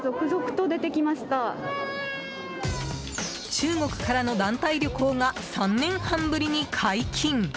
中国からの団体旅行が３年半ぶりに解禁。